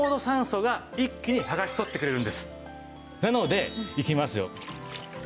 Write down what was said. なのでいきますよ。